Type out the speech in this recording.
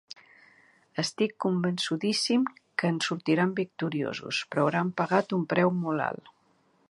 Estic convençudíssim que en sortiran victoriosos, però hauran pagat un preu molt alt.